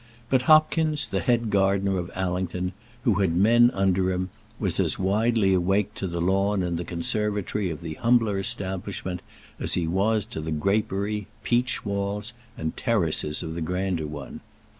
But Hopkins, the head gardener of Allington, who had men under him, was as widely awake to the lawn and the conservatory of the humbler establishment as he was to the grapery, peach walls, and terraces of the grander one.